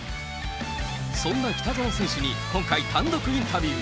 そんな北園選手に今回、単独インタビュー。